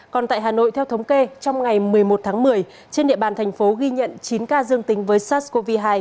còn tại hà nội theo thống kê trong ngày một mươi một tháng một mươi trên địa bàn thành phố ghi nhận chín ca dương tính với sars cov hai